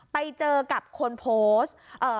ไปเจอกับคนโพสต์